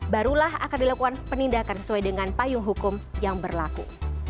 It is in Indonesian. barulah akan dilakukan penindakan sesuai dengan payung hukum yang berlaku